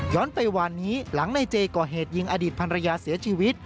ย้อนไปวันนี้หลังนายเจก่อเหตุยิงอดีตพันธุ์ระยะเสียชีวิต